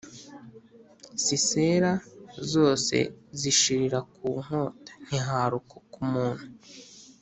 Sisera zose zishirira ku nkota ntiharokoka umuntu